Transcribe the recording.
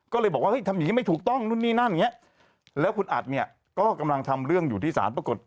ก็เลยบอกว่าเฮ้ยทำอย่างนี้ไม่ถูกต้องนู่นนี่นั่นอย่างเงี้ยแล้วคุณอัดเนี่ยก็กำลังทำเรื่องอยู่ที่ศาลปรากฏ